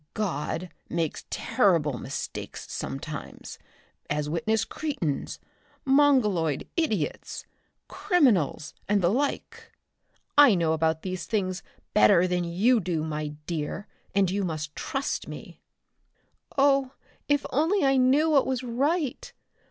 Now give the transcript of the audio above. "God makes terrible mistakes sometimes as witness cretins, mongoloid idiots, criminals, and the like. I know about these things better than you do, my dear, and you must trust me." "Oh, if I only knew what was right.